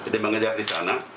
dia mengajar di sana